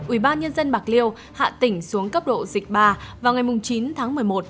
ubnd bạc liêu hạ tỉnh xuống cấp độ dịch ba vào ngày chín tháng một mươi một